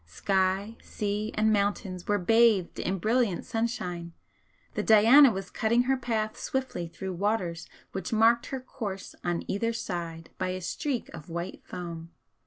Sky, sea and mountains were bathed in brilliant sunshine; the 'Diana' was cutting her path swiftly through waters which marked her course on either side by a streak of white foam.